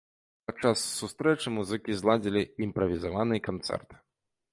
Падчас сустрэчы музыкі зладзілі імправізаваны канцэрт.